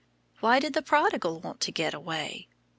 "Why did the prodigal want to get away?"